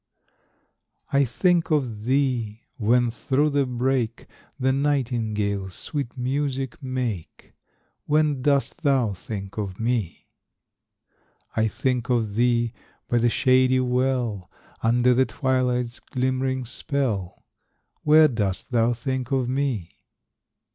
_) I think of thee When through the brake The nightingales sweet music make. When dost thou think of me? I think of thee By the shady well, Under the twilight's glimmering spell. Where dost thou think of me?